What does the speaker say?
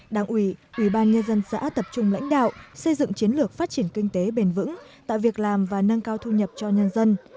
đảng ủy ủy ban nhân dân xã tập trung lãnh đạo xây dựng chiến lược phát triển kinh tế bền vững tạo việc làm và nâng cao thu nhập cho nhân dân